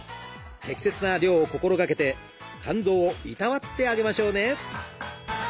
適切な量を心がけて肝臓をいたわってあげましょうね！